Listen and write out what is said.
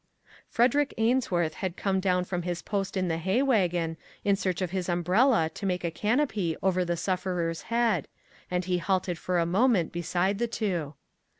Frederick Ainsworth had come down from his post in the hay wagon, in search of his um brella to make a canopy over the sufferer's head, and he halted for a moment beside the two.